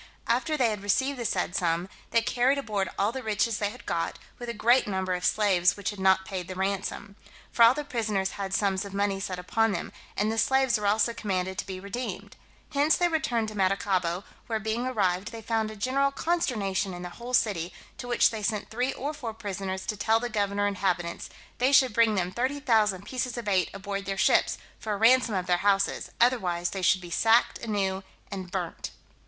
After they had received the said sum, they carried aboard all the riches they had got, with a great number of slaves which had not paid the ransom; for all the prisoners had sums of money set upon them, and the slaves were also commanded to be redeemed. Hence they returned to Maracaibo, where being arrived, they found a general consternation in the whole city, to which they sent three or four prisoners to tell the governor and inhabitants, "they should bring them 30,000 pieces of eight aboard their ships, for a ransom of their houses, otherwise they should be sacked anew and burnt."